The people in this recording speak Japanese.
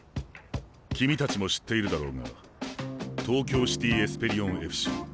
君たちも知っているだろうが東京シティ・エスペリオンＦＣＪ